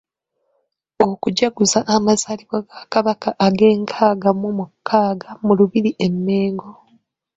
Okujaguza amazaalibwa ga Kabaka age nkaaga mu mukaaga mu Lubiri e Mengo.